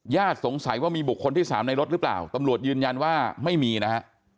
สงสัยว่ามีบุคคลที่สามในรถหรือเปล่าตำรวจยืนยันว่าไม่มีนะฮะ